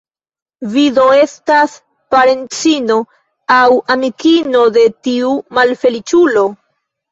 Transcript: Vi do estas parencino aŭ amikino de tiu malfeliĉulo?